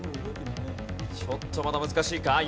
ちょっとまだ難しいか？